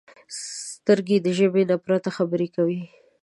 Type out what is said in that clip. سترګې د ژبې نه پرته خبرې کوي